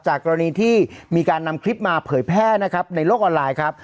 กรณีที่มีการนำคลิปมาเผยแพร่นะครับในโลกออนไลน์ครับ